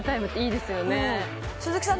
鈴木さん